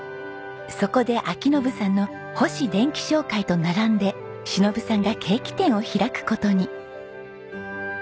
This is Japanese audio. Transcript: そこで章伸さんの星電機商会と並んで忍さんがケーキ店を開く事に。